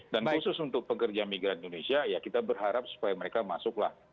dan khusus untuk pekerja migran indonesia ya kita berharap supaya mereka masuklah